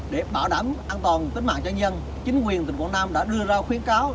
để bảo đảm an toàn tính mạng cho dân chính quyền tỉnh quảng nam đã đưa ra khuyến cáo